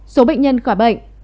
số bệnh nhân khỏi bệnh